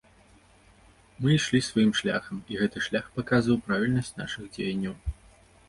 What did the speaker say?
Мы ішлі сваім шляхам і гэты шлях паказаў правільнасць нашых дзеянняў.